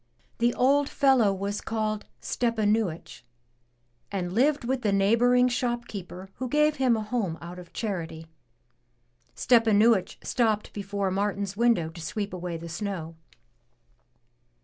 The old fellow was called Stepanuich, and lived with the neighboring shop keeper who gave him a home out of charity. Stepanuich stopped before Martin's window to sweep away the snow.